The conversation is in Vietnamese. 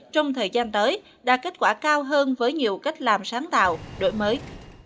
trong thời gian tới đạt kết quả cao hơn với nhiều cách làm sáng tạo đổi mới